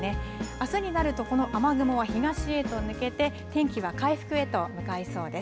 あすになるとこの雨雲は東へと抜けて天気は回復へと向かいそうです。